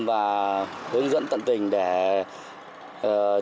và hướng dẫn tận tình để chúng tôi có thể đạt được những điều tốt nhất